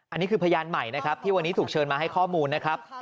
อันนี้คือพยานใหม่นะครับที่วันนี้ถูกเชิญมาให้ข้อมูลนะครับ